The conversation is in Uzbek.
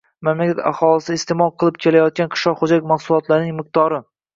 Mamlakat aholisi iste’mol qilib kelayotgan qishloq xo‘jalik mahsulotlarining miqdori